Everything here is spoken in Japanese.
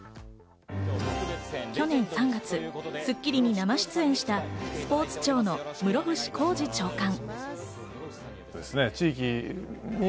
去年３月、『スッキリ』に生出演したスポーツ庁の室伏広治長官。